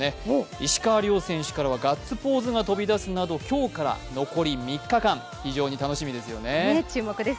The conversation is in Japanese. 石川遼選手からガッツポーズが飛び出すなど今日から残り３日間、非常に楽しみですよね。